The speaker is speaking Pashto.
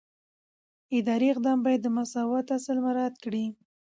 اداري اقدام باید د مساوات اصل مراعات کړي.